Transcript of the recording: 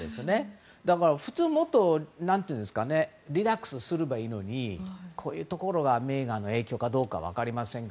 だから、もっとリラックスすればいいのにこういうところがメーガンの影響かどうか分かりませんが。